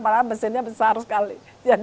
padahal mesinnya besar sekali